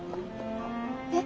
えっ。